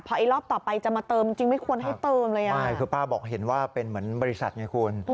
พอไอ้รอบต่อไปจะมาเติมจริงไม่ควรให้เติมเลยอ่ะใช่คือป้าบอกเห็นว่าเป็นเหมือนบริษัทไงคุณ